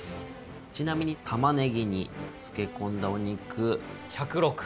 ちなみにタマネギに漬け込んだお肉１０６。